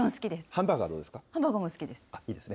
ハンバーガーも好きです。